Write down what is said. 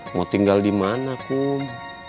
mau tinggal dimana kum